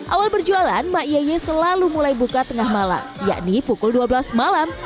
awal berjualan ma'yye selalu mulai buka tengah malam yakni pukul dua belas malam